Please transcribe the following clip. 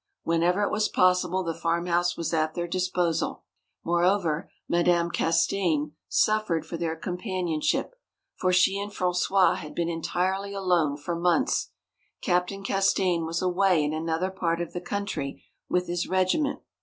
Whenever it was possible the farmhouse was at their disposal. Moreover, Madame Castaigne suffered for their companionship. For she and François had been entirely alone for months. Captain Castaigne was away in another part of the country with his regiment.